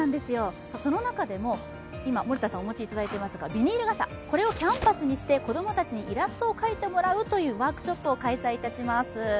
その中でも、今、森田さんにお持ちいただいていますがビニール傘、これをキャンバスにして子供たちにイラストを描いてもらうワークショップを開催いたします。